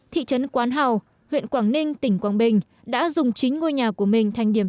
thị trấn quán hào huyện quảng ninh tỉnh quảng bình đã dùng chính ngôi nhà của mình thành điểm